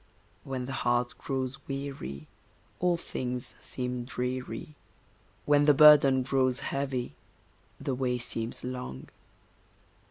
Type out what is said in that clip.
When the heart grows weary, all things seem dreary; When the burden grows heavy, the way seems long.